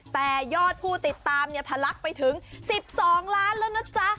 แต่ยอดผู้ติดตามเนี่ยทะลักไปถึง๑๒ล้านแล้วนะจ๊ะ